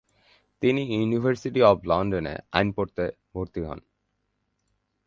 তিনি university of লন্ডনে আইন পড়তে ভর্তি হন।